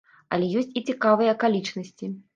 Але ёсць і цікавыя акалічнасці.